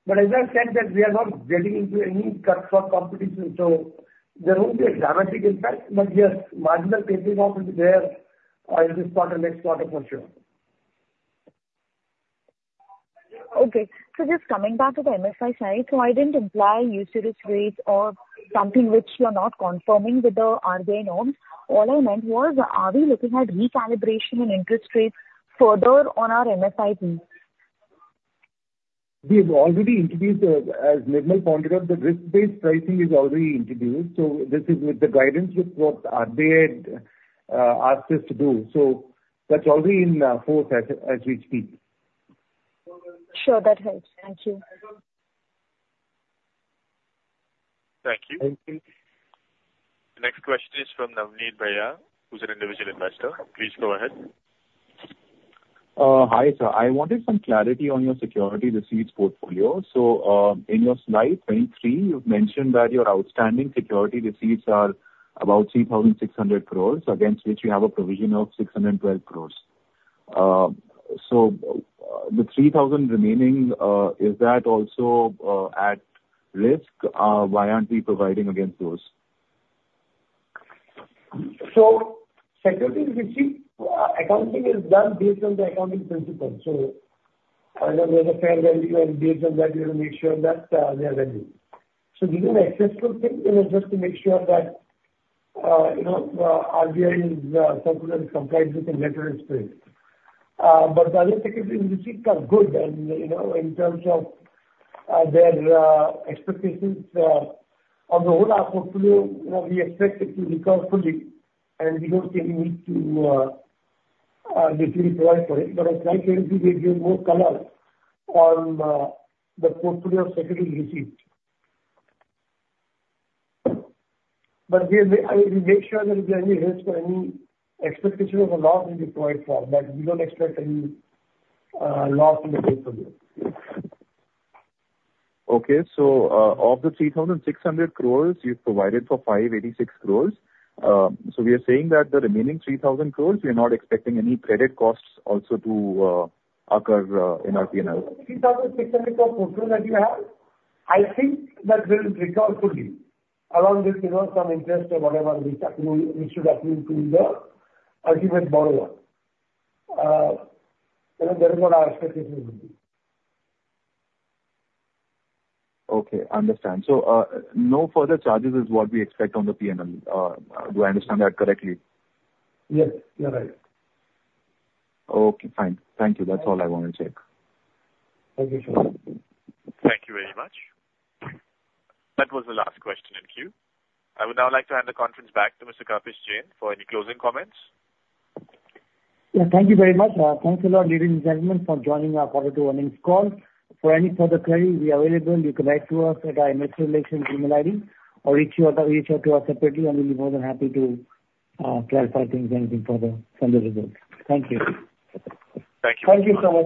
but as I said, that we are not getting into any cut for competition, so there won't be a dramatic impact, but yes, marginal tapering off will be there in this quarter, next quarter for sure. Okay. So just coming back to the MSME side, so I didn't imply usurious rates or something which you are not confirming with the RBI norms. All I meant was, are we looking at recalibration and interest rates further on our MSME books? We've already introduced, as Nirmal pointed out, the risk-based pricing is already introduced, so this is with the guidance with what RBI had asked us to do. So that's already in force as we speak. Sure. That helps. Thank you. Thank you. Thank you. The next question is from Navneet Bhaya, who's an individual investor. Please go ahead. Hi, sir. I wanted some clarity on your security receipts portfolio. So, in your slide twenty-three, you've mentioned that your outstanding security receipts are about three thousand six hundred crores, against which you have a provision of six hundred and twelve crores. So, the three thousand remaining, is that also at risk? Why aren't we providing against those? So security receipts, accounting is done based on the accounting principle. So, there's a fair value, and based on that, we will make sure that, they are value. So this is a sensible thing, you know, just to make sure that, you know, RBI is, portfolio complies with the letter and spirit. But the other security receipts are good and, you know, in terms of, their, expectations, on the whole our portfolio, you know, we expect it to recover fully, and we don't see any need to, basically provide for it. But as Nirmal will give you more color on, the portfolio of security receipt. But we make sure that if there are any risks or any expectation of a loss, we provide for, but we don't expect any loss in the portfolio. Okay. So, of the three thousand six hundred crores, you've provided for five eighty-six crores. So we are saying that the remaining three thousand crores, we are not expecting any credit costs also to occur, in our P&L? INR 3,600 crore portfolio that you have, I think that will recover fully along with, you know, some interest or whatever we should accrue to the ultimate borrower. You know, that is what our expectation will be. Okay, understand. So, no further charges is what we expect on the P&L. Do I understand that correctly? Yes, you're right. Okay, fine. Thank you. That's all I wanted to check. Thank you, sir. Thank you very much. That was the last question in queue. I would now like to hand the conference back to Mr. Kapish Jain for any closing comments. Yeah, thank you very much. Thanks a lot, ladies and gentlemen, for joining our quarter two earnings call. For any further query, we are available. You can write to us at our investor relations email ID or reach out to us separately, and we'll be more than happy to clarify things, anything further from the results. Thank you. Thank you. Thank you so much.